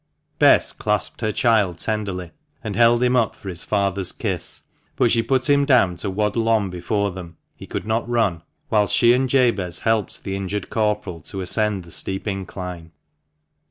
Bess clasped her child tenderly, and held him up for his father's kiss ; but she put him down to waddle on before them (he could not run), whilst she and Jabez helped the injured corporal to ascend the steep incline.